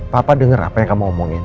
papa dengar apa yang kamu omongin